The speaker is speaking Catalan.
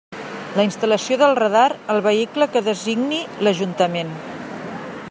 La instal·lació del radar al vehicle que designi l'Ajuntament.